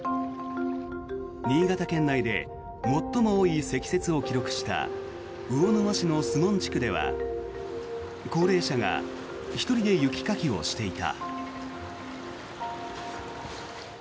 新潟県内で最も多い積雪を記録した魚沼市の守門地区では高齢者が１人で雪かきをしていた。